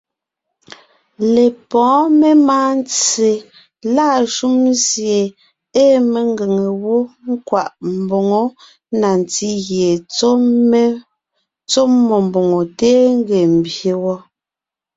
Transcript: Lepɔ́ɔn memáa ntse lâ shúm sie ée mengʉ̀ŋe wó kwaʼ mboŋó na ntí gie tsɔ́ mmó mbòŋo téen ńgee ḿbyé wɔ́,